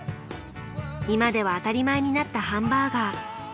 今では当たり前になったハンバーガー。